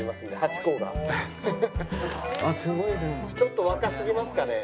ちょっと若すぎますかね？